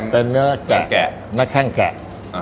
เป็นเนื้อแกะหน้าแข้งแกะ